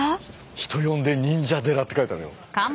「人呼んで忍者寺」って書いてあるよ。